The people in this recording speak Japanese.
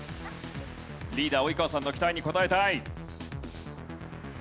リーダー及川さんの期待に応えたい。